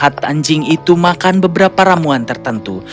dia melihat anjing itu makan beberapa ramuan tertentu